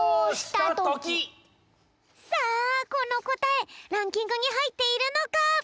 さあこのこたえランキングにはいっているのか？